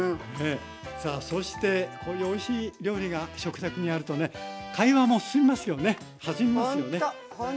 さあそしてこういうおいしい料理が食卓にあるとね会話もすすみますよね弾みますよね。